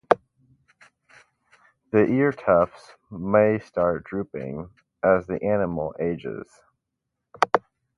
The ear tufts may start drooping as the animal ages.